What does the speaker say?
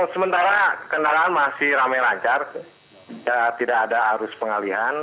sementara kendaraan masih ramai lancar tidak ada arus pengalihan